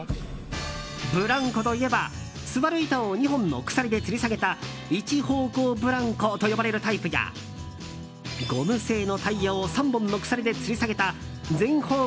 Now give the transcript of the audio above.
ブランコといえば座る板を２本の鎖でつり下げた一方向ブランコと呼ばれるタイプやゴム製のタイヤを３本の鎖でつり下げた全方向